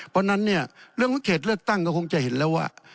เพราะฉะนั้นเนี่ยเรื่องของเขตเลือกตั้งก็คงจะเห็นแล้วว่า